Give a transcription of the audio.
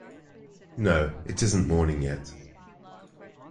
No, it isn't morning yet.